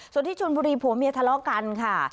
ส่วนที่ชนบุรีผัวเมียทะเลาะกันค่ะ